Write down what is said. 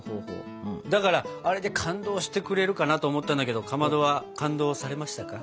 だからあれで感動してくれるかなと思ったんだけどかまどは感動されましたか？